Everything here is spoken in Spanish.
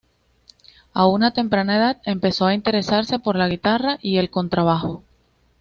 A una temprana edad empezó a interesarse por la guitarra y el contrabajo.